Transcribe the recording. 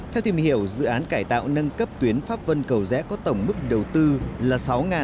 theo tìm hiểu dự án cải tạo nâng cấp tuyến phát vân cầu rẽ có tổng mức đầu tư là sáu bảy trăm bốn mươi